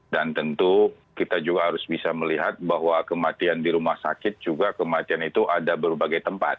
dan tentu kita juga harus bisa melihat bahwa kematian di rumah sakit juga kematian itu ada berbagai tempat